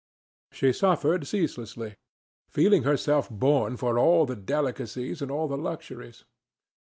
She suffered ceaselessly, feeling herself born for all the delicacies and all the luxuries.